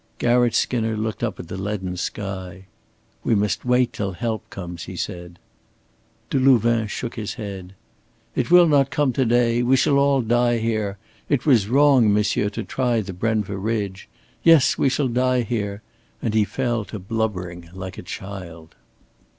Garratt Skinner looked up at the leaden sky. "We must wait till help comes," he said, Delouvain shook his head. "It will not come to day. We shall all die here. It was wrong, monsieur, to try the Brenva ridge. Yes, we shall die here"; and he fell to blubbering like a child.